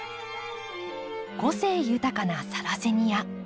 個性豊かなサラセニア。